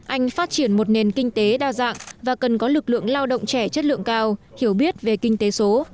anh phát triển một nền kinh tế đa dạng và cần có lực lượng lao động trẻ chất lượng cao hiểu biết về kinh tế số